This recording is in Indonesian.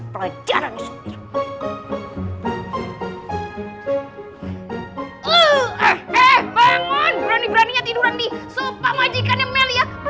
berani beraninya tiduran di sofa majikannya meli ya